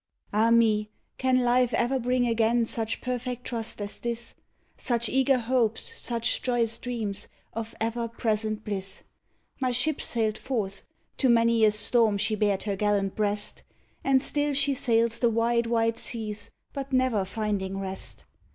Ah, me! can life e'er bring again such perfect trust as this, Such eager hopes, such joyous dreams of ever present bliss? My ship sailed forth to many a storm she bared her gallant breast And still she sails the wide, wide seas, but never finding rest.